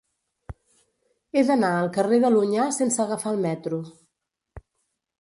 He d'anar al carrer de l'Onyar sense agafar el metro.